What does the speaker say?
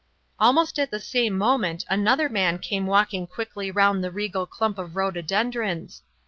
Almost at the same moment another man came walking quickly round the regal clump of rhododendrons.